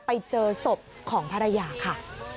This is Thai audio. ไปเจอศพของภรรยาค่ะ